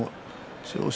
千代翔